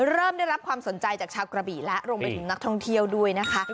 เริ่มได้รับความสนใจจากชาวกระบี่แล้วรวมไปถึงนักท่องเที่ยวด้วยนะคะ